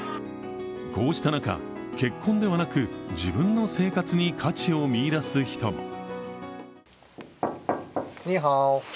こうした中、結婚ではなく自分の生活に価値を見出す人も。